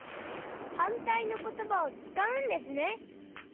はんたいのことばをつかうんですね。